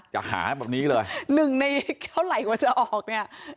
จะหาแบบนี้เลย๑ในเท่าไหร่พอจะออกเนี่ย